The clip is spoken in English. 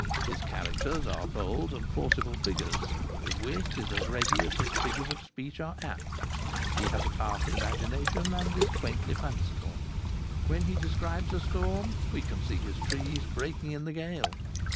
His characters are bold and forcible figures, his wit is as ready as his figures of speech are apt. He has a powerful imagination, and is quaintly fanciful. When he describes a storm, we can see his trees breaking in the gale.